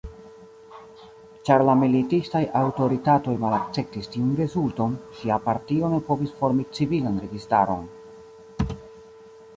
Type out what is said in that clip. Ĉar la militistaj aŭtoritatoj malakceptis tiun rezulton, ŝia partio ne povis formi civilan registaron.